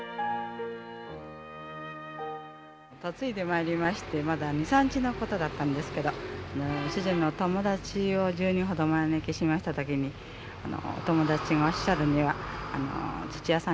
嫁いでまいりましてまだ２３日のことだったんですけど主人のお友達を１０人ほどお招きしました時にあのお友達がおっしゃるにはあの土屋さん